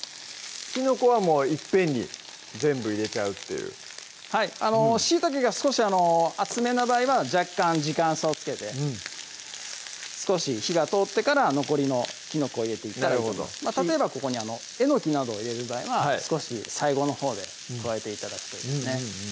きのこはもういっぺんに全部入れちゃうっていうはいしいたけが少し厚めな場合は若干時間差をつけて少し火が通ってから残りのきのこを入れていったらいいと例えばここにえのきなどを入れる場合は少し最後のほうで加えて頂くといいですね